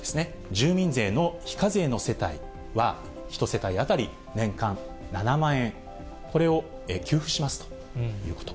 住民税の非課税の世帯は、１世帯当たり年間７万円、これを給付しますということ。